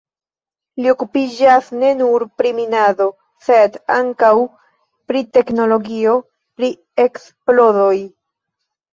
Li okupiĝas ne nur pri minado, sed ankaŭ pri teknologio pri eksplodoj.